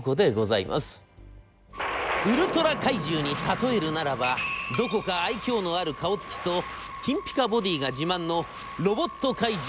ウルトラ怪獣に例えるならばどこか愛嬌のある顔つきと金ピカボディーが自慢のロボット怪獣